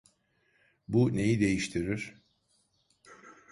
Bu neyi değiştirir?